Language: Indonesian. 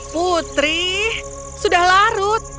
putri sudah larut